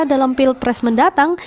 dalam pilpres mendatang